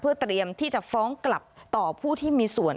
เตรียมที่จะฟ้องกลับต่อผู้ที่มีส่วน